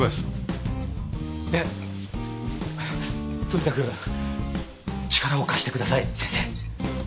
とにかく力を貸してください先生。